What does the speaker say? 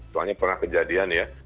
soalnya pernah kejadian ya